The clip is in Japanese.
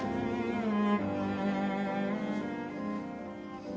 うん？